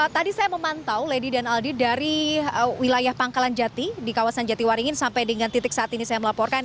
tadi saya memantau lady dan aldi dari wilayah pangkalan jati di kawasan jatiwaringin sampai dengan titik saat ini saya melaporkan